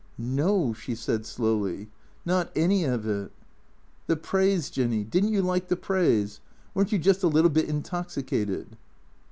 " No," she said slowly. " Not any of it." " The praise, Jinny, did n't you like the praise ? Were n't you just a little bit intoxicated